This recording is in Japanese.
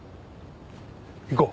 行こう。